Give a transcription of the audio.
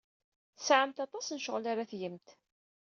Tesɛamt aṭas n ccɣel ara tgemt.